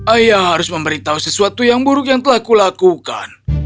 ayah harus memberitahu sesuatu yang buruk yang telah kulakukan